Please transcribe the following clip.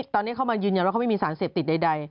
ตอนนี้เข้ามายืนยันว่าเขาไม่มีสารเสพติดใด